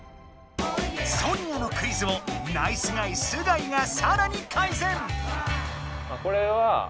ソニアのクイズをナイスガイ須貝がさらにかいぜん！